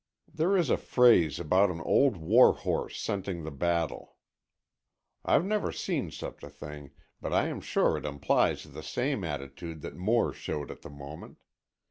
There is a phrase about an old warhorse scenting the battle. I've never seen such a thing, but I am sure it implies the same attitude that Moore showed at the moment.